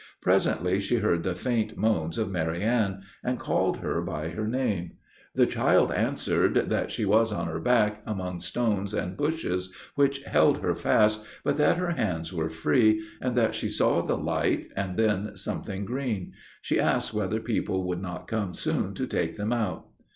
Presently, she heard the faint moans of Marianne, and called her by her name; the child answered that she was on her back, among stones and bushes, which held her fast, but that her hands were free, and that she saw the light, and then something green; she asked whether people would not come soon to take them out.